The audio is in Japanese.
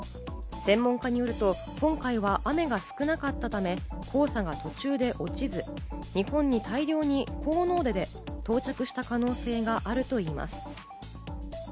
専門家によると今回は雨が少なかったため、黄砂が途中で落ちず、日本に大量に高濃度で到着した可能性があるといいます。